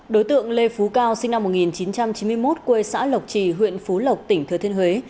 đối tượng lê phú cao sinh năm một nghìn chín trăm chín mươi một quê xã lộc trì huyện phú lộc tỉnh thừa thiên huế